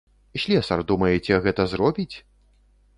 Слесар, думаеце, гэта зробіць?